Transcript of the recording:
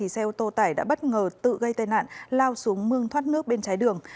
xe ô tô tải đã bất ngờ tự gây tai nạn lao xuống mương thoát nước bên trái đường